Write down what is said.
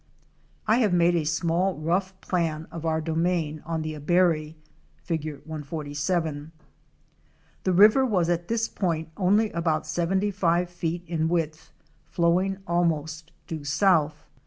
J have made a small rough plan of our domain on the Abary, Fig. 147. The river was at this point only about seventy five feet in width, flowing almost due south.